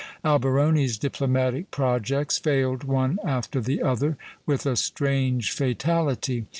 Alberoni's diplomatic projects failed one after the other, with a strange fatality.